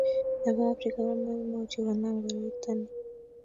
Nebo afrika komoimuchi konam koroitani